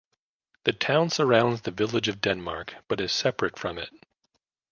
The town surrounds the village of Denmark but is separate from it.